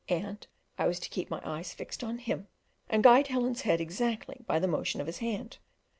and I was to keep my eyes fixed on him, and guide Helen's head exactly by the motion of his hand.